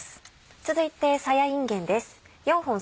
続いてさやいんげんです。